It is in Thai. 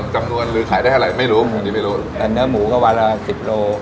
จำนวนหรือขายได้ให้ไฟไม่รู้ในตัวเนื้อหมูก็วันละ๑๐โล